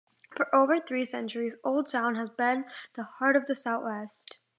For over three centuries Old Town has been the heart of the Southwest.